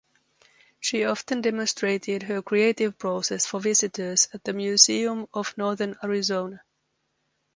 She often demonstrated her creative process for visitors at the Museum of Northern Arizona.